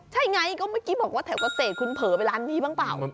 ใช่ไงก็เมื่อกี้บอกว่าแถวเกษตรคุณเผลอไปร้านนี้บ้างเปล่า